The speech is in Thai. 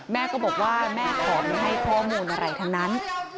แม่ก็บอกว่าแม่ขอไม่ให้ข้อมูลอะไรทั้งนั้น